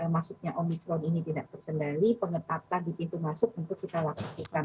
masuknya omikron ini tidak terkendali pengetatan di pintu masuk tentu kita lakukan